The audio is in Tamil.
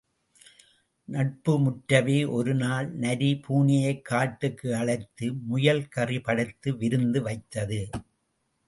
நட்பு முற்றவே ஒருநாள் நரி பூனையைக் காட்டுக்கு அழைத்து, முயல்கறி படைத்து விருந்து வைத்தது.